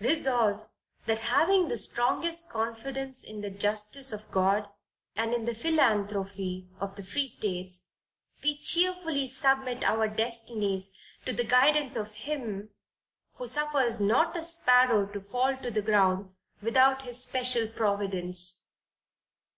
Resolved, That having the strongest confidence in the justice of God, and in the philanthropy of the free states, we cheerfully submit our destinies to the guidance of Him who suffers not a sparrow to fall to the ground without his special Providence."